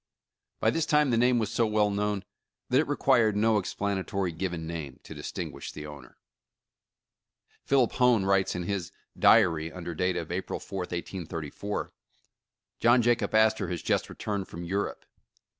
By this time the name was so well known that it required no ex planatory given name to distinguish the owner. Philip Hone writes in his "Diary," under date of April 4th, 1834: "John Jacob Astor has just returned from Europe.